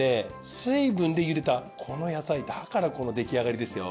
水分でゆでたこの野菜だからこの出来上がりですよ。